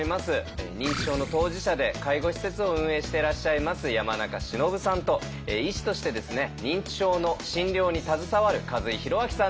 認知症の当事者で介護施設を運営してらっしゃいます山中しのぶさんと医師として認知症の診療に携わる數井裕光さんです。